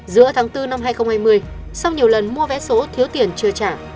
giữa tháng bốn năm hai nghìn hai mươi sau nhiều lần mua vé số thiếu tiền chưa trả